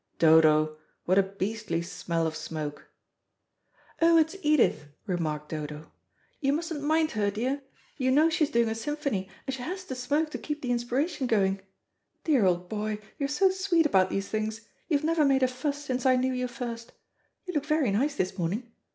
Dodo, what a beastly smell of smoke." "Oh, it's Edith," remarked Dodo. "You mustn't mind her, dear. You know she's doing a symphony, and she has to smoke to keep the inspiration going. Dear old boy, you are so sweet about these things; you've never made a fuss since I knew you first. You look very nice this morning.